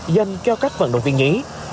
dân kêu cách vận động viên nhí